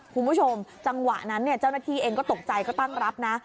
คุณผู้ชมจังหวะนั้นเนี่ยเจ้าหน้าที่เองก็ตกใจก็ตั้งรับนะ